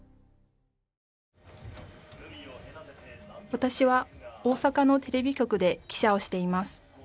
私は大阪のテレビ局で記者をしています